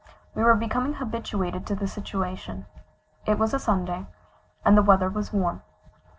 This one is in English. We were becoming habituated to the situation. It was a Sunday, and the weather was warm.